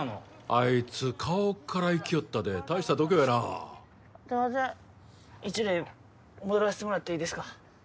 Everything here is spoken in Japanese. あいつ顔からいきよったで大した度胸やなすいません一塁戻らせてもらっていいですか？